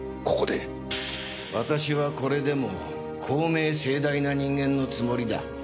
私はこれでも公明正大な人間のつもりだ。